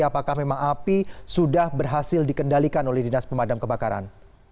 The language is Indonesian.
apakah memang api sudah berhasil dikendalikan oleh dinas pemadam kebakaran